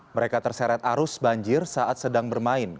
mereka terseret arus banjir saat sedang bermain